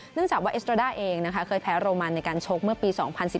เนื่องจากว่าเอสตราด้าเองเคยแพ้โรมัญในการชกเมื่อปี๒๐๑๒